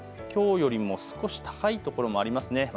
きょうよりも少し高いところもありますね。